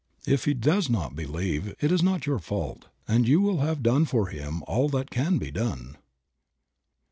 If he does not believe it is not your fault, and you will have done for him all that can be done.